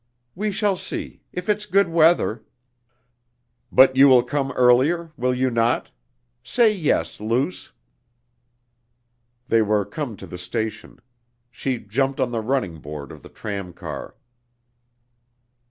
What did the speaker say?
"We shall see. If it's good weather." "But you will come earlier? Will you not? Say yes ... Luce...." (They were come to the station. She jumped on the running board of the tram car.)